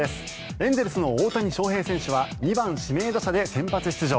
エンゼルスの大谷翔平選手は２番指名打者で先発出場。